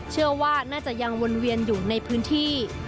เชื่อว่าน่าจะยังวนเวียนอยู่ในพื้นที่